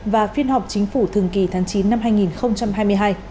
và phiên họp chính phủ thường kỳ tháng chín năm hai nghìn hai mươi hai